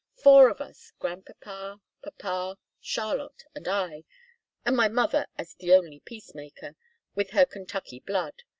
Four of us grandpapa, papa, Charlotte, and I and my mother as the only peacemaker, with her Kentucky blood!